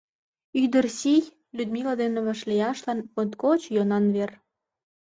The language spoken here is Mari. Ӱдыр сий — Людмила дене вашлияшлан моткоч йӧнан вер!